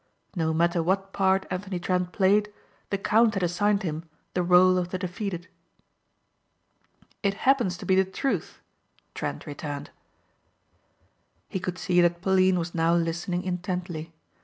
No matter what part Anthony Trent played the count had assigned him the rôle of the defeated. "It happens to be the truth," Trent returned. He could see that Pauline was now listening intently.